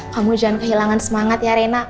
kamu jangan kehilangan semangat ya rena